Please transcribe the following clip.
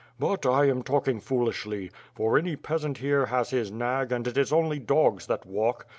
But I am talking foolishly; for any peasant here has his nag and it is only dogs that walk.